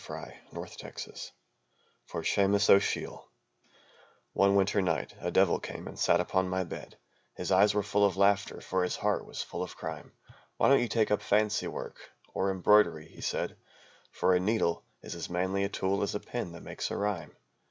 The Proud Poet (For Shaemas O Sheel) One winter night a Devil came and sat upon my bed, His eyes were full of laughter for his heart was full of crime. "Why don't you take up fancy work, or embroidery?" he said, "For a needle is as manly a tool as a pen that makes a rhyme!"